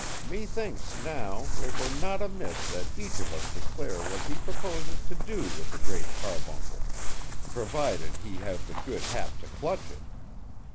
Methinks, now, it were not amiss that each of us declare what he proposes to do with the Great Carbuncle, provided he have the good hap to clutch it.